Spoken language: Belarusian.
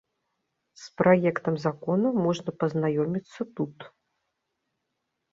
З праектам закона можна пазнаёміцца тут.